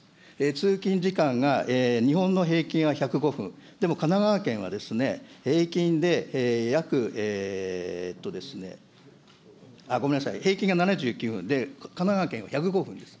通勤時間が日本の平均は１０５分、でも神奈川県は平均で約、ごめんなさい、平均が７９分で、神奈川県は１０５分です。